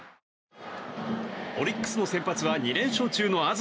オリックスの先発は２連勝中の東。